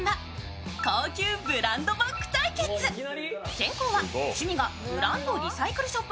先攻は趣味がブランドリサイクルショップ